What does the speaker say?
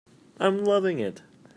I'm loving it.